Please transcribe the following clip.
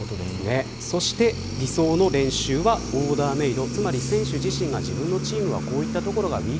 そして理想の練習はオーダーメード。